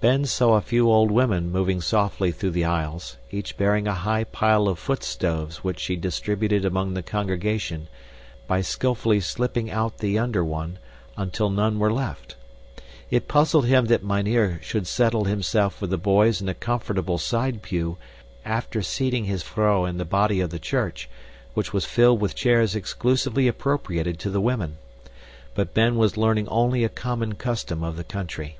Ben saw a few old women moving softly through the aisles, each bearing a high pile of foot stoves which she distributed among the congregation by skillfully slipping out the under one, until none were left. It puzzled him that mynheer should settle himself with the boys in a comfortable side pew, after seating his vrouw in the body of the church, which was filled with chairs exclusively appropriated to the women. But Ben was learning only a common custom of the country.